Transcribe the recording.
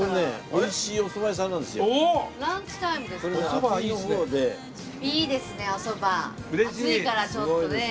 暑いからちょっとね。